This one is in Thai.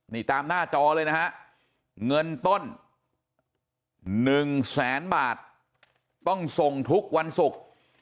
นี่ตามหน้าจอเลยนะฮะเงินต้น๑แสนบาทต้องส่งทุกวันศุกร์